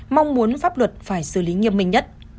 mong muốn pháp luật phải xử lý nghiêm minh nhất